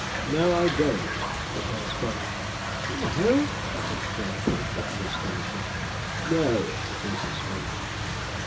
'No, I don't,' replied Sponge. 'No!' exclaimed Jawleyford, in astonishment. 'No,' repeated Sponge.